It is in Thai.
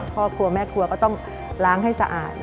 ครอบครัวแม่ครัวก็ต้องล้างให้สะอาด